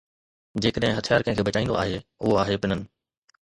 جيڪڏھن ھٿيار ڪنھن کي بچائيندو آھي، اھو آھي پنن